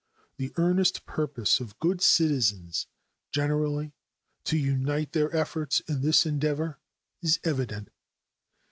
The earnest purpose of good citizens generally to unite their efforts in this endeavor is evident.